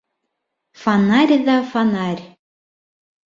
— Фонарь ҙа фонарь!